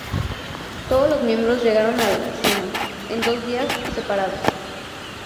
Todos los miembros llegaron a la cima, en dos días separados.